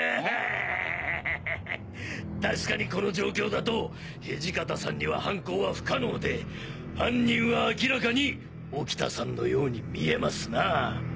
ハッハッハハハッ確かにこの状況だと土方さんには犯行は不可能で犯人は明らかに沖田さんのように見えますなあ。